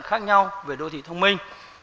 khác nhau về đô thị thông minh